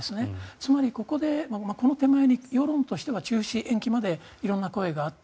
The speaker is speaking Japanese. つまり、ここでこの手前には世論では中止・延期まで色んな声があった。